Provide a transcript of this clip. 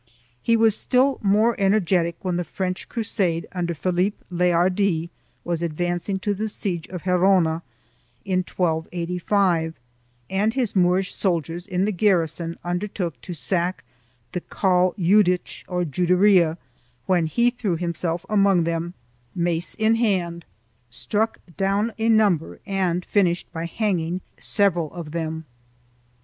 1 He was still more energetic when the French crusade under Philippe le Hardi was advancing to the siege of Gerona, in 1285, and his Moorish soldiers in the garrison undertook to sack the Call Juhich, or Juderia, when he threw himself among them, mace in hand, struck down a number and finished by hanging several of them.